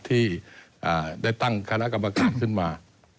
ที่ได้ตั้งคณะกรรมการขึ้นมา